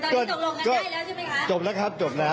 แต่ตอนนี้ตกลงกันได้แล้วใช่ไหมคะจบแล้วครับจบแล้ว